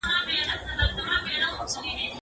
کار اخلمه له دواړو که څه دم وي که درمل